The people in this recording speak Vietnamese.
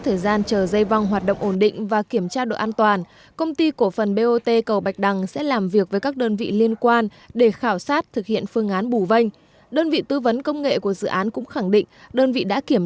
chủ tịch hội đồng quản trị công ty công ty cổ phần bot cầu bạch đằng ông nguyễn ngọc hòa cho biết